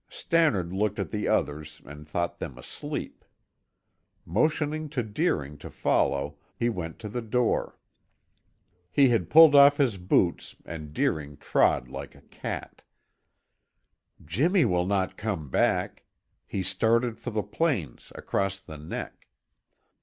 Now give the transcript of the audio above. Stannard looked at the others and thought them asleep. Motioning to Deering to follow, he went to the door. He had pulled off his boots and Deering trod like a cat. "Jimmy will not come back. He started for the plains, across the neck."